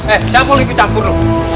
eh siapa mau ikut campur loh